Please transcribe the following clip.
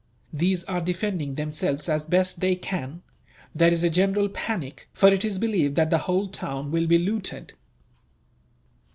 These are defending themselves as best they can. There is a general panic, for it is believed that the whole town will be looted."